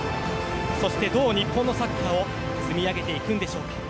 そして、どう日本のサッカーを積み上げていくのでしょうか。